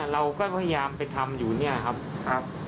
เราก็พยายามไปทำอยู่เนี่ยครับ